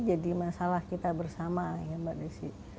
jadi masalah kita bersama ya mbak desi